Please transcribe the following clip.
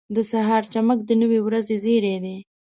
• د سهار چمک د نوې ورځې زېری دی.